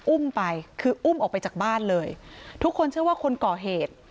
อุ้มไปคืออุ้มออกไปจากบ้านเลยทุกคนเชื่อว่าคนก่อเหตุ